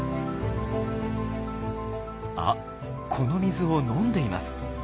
あっこの水を飲んでいます。